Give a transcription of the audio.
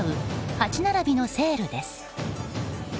８並びのセールです。